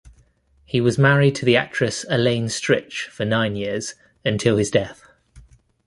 He was married to the actress Elaine Stritch for nine years until his death.